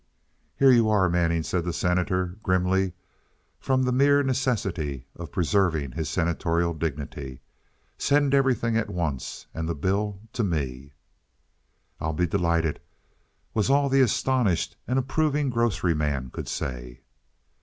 "Here you are, Manning," said the Senator, grimly, from the mere necessity of preserving his senatorial dignity. "Send everything at once, and the bill to me." "I'll be delighted," was all the astonished and approving grocery man could say.